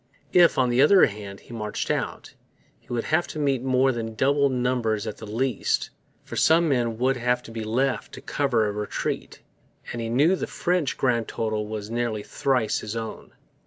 If, on the other hand, he marched out, he would have to meet more than double numbers at the least; for some men would have to be left to cover a retreat; and he knew the French grand total was nearly thrice his own.